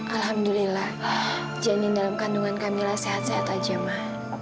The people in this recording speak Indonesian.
alhamdulillah janin dalam kandungan kak mila sehat sehat aja ma